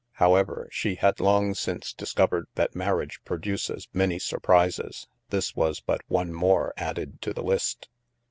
However, she had long since discovered that mar riage produces many surprises. This was but one more added to the list.